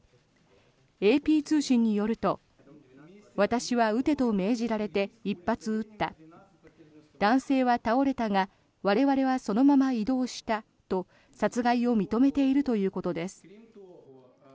ＡＰ通信によると私は撃てと命じられて１発撃った男性は倒れたが我々はそのまま移動したと殺害を認めているということです。